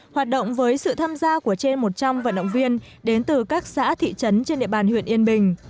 hoạt động với sự tham gia của trên một trăm linh vận động viên đến từ các xã thị trấn trên địa bàn huyện yên bình